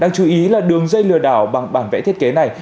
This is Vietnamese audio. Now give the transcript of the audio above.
đáng chú ý là đường dây lừa đảo bằng bản vẽ thiết kế này